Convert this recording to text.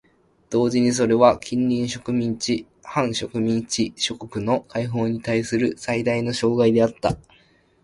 同時にそれは近隣植民地・半植民地諸国の解放にたいする最大の障害であった。